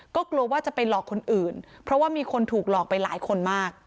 ก็กลัวว่าจะไปหลอกคนอื่นเพราะว่ามีคนถูกหลอกไปหลายคนมาก